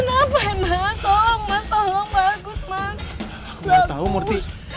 aku gak tau murti